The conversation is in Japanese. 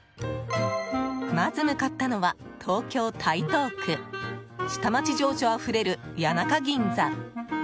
まず向かったのは、東京・台東区下町情緒あふれる谷中銀座。